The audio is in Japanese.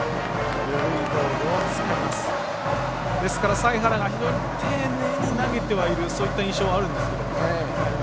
財原が非常に丁寧に投げてはいるそういった印象はあるんですけど。